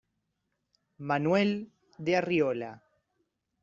Manuel de Arriola.